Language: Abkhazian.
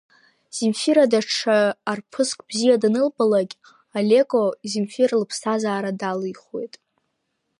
Земфира даҽа арԥыск бзиа данылбалакь, Алеко Земфира лыԥсҭазара далихуеит.